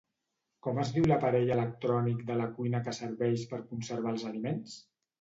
Com es diu l'aparell electrònic de la cuina que serveix per conservar els aliments?